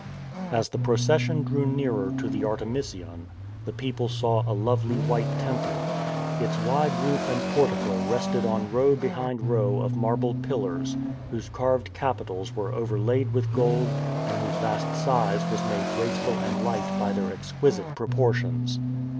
As the procession drew nearer to the Artemision, the people saw a lovely white temple. Its wide roof and portico rested on row behind row of marble pil lars, whose carved capitals were overlaid with gold and whose vast size was made graceful and light by their exquisite proportions.